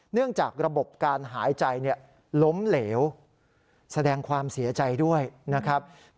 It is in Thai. เนื่องจากระบบการหายใจล้มเหลวแสดงความเสียใจด้วยนะครับ